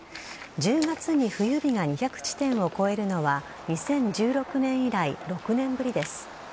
１０月に冬日が２００地点を超えるのは２０１６年以来６年ぶりです。